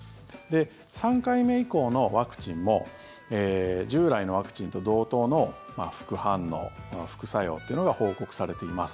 ３回目以降のワクチンも従来のワクチンと同等の副反応、副作用というのが報告されています。